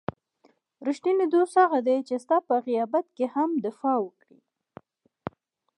رښتینی دوست هغه دی چې ستا په غیابت کې هم دفاع کړي.